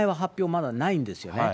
まだないんですよね。